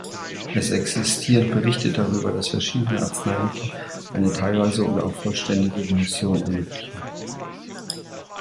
Es existieren Berichte darüber, dass verschiedene Arzneimittel eine teilweise oder auch vollständige Remission ermöglichen.